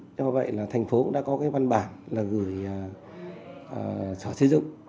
do vậy thành phố đã có văn bản gửi sở xây dựng